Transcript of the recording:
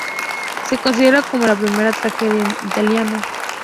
Se considera como la primera tragedia en italiano.